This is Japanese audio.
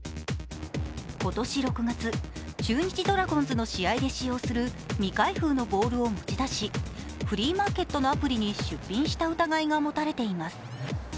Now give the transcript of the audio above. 今年６月、中日ドラゴンズの試合で使用する未開封のボールを持ち出しフリーマーケットのアプリに出品した疑いが持たれています。